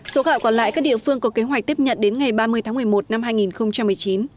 số gạo còn lại các địa phương có kế hoạch tiếp nhận đến ngày ba mươi tháng một mươi một năm hai nghìn một mươi chín